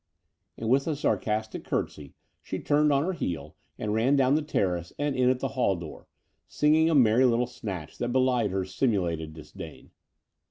And with a sarcastic curtsey she turned on her heel and ran down the terrace and in at the hall door, singing a merry little snatch that belied her simulated disdain.